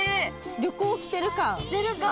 旅行来てる感。